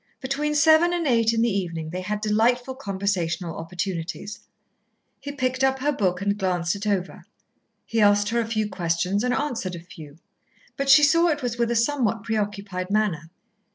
Between seven and eight in the evening they had delightful conversational opportunities. He picked up her book and glanced it over, he asked her a few questions and answered a few; but she saw it was with a somewhat preoccupied manner.